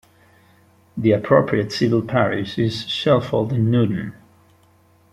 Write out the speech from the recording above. The appropriate civil parish is Shelford and Newton.